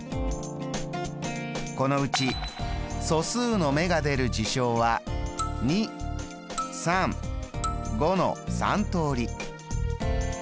このうち素数の目が出る事象は２３５の３通り。